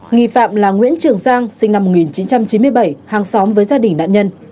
nghi phạm là nguyễn trường giang sinh năm một nghìn chín trăm chín mươi bảy hàng xóm với gia đình nạn nhân